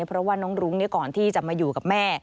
เพราะว่าน้องรุ้งก่อนที่จะมาอยู่กับแม่